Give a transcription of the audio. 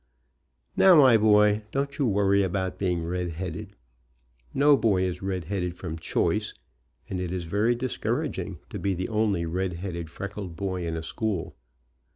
Now, my boy, don't you worry about being red headed. No boy is red headed from choice, and it is very discouraging to be the only red headed, freckled boy in a school.